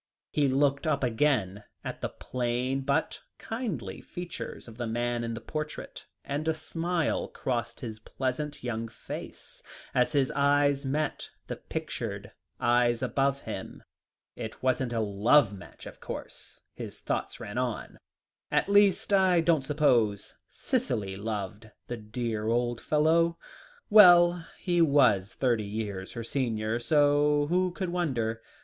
He looked up again at the plain but kindly features of the man in the portrait, and a smile crossed his pleasant young face, as his eyes met the pictured eyes above him. "It wasn't a love match, of course," his thoughts ran on; "at least, I don't suppose Cicely loved the dear old fellow. Well; he was thirty years her senior, so who could wonder?